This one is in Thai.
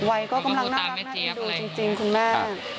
ไอก็กำลังน่ารักน่าดูดูจริงคุณแม่